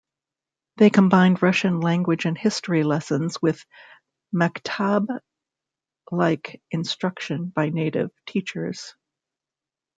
They combined Russian language and history lessons with maktab-like instruction by native teachers.